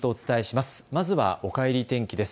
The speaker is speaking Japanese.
まずはおかえり天気です。